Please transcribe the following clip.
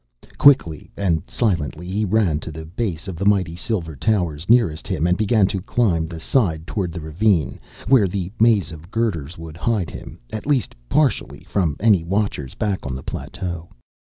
Quickly and silently he ran to the base of the mighty silver towers nearest him and began to climb the side toward the ravine, where the maze of girders would hide him, at least partially, from any watchers back on the plateau.